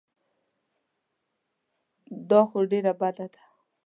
دا خو ډېره بده ده.